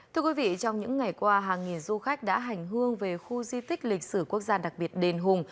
thưa quý vị trong những ngày qua hàng nghìn du khách đã hành hương về khu di tích lịch sử quốc gia đặc biệt đền hùng